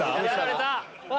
やられた！